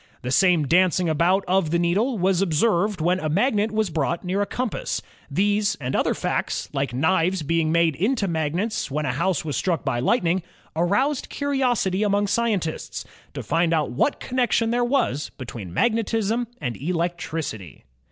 The same dancing about of the needle was observed when a magnet was brought near a compass. These and other facts, like knives being made into magnets when a house was struck by lightning, aroused curiosity among scientists, to find out what connection there was between magnetism and electricity.